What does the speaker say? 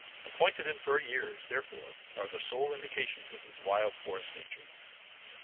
The pointed and furry ears, therefore, are the sole indications of his wild, forest nature.